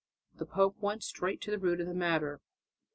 The pope went straight to the root of the matter.